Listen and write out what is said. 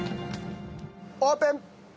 オープン！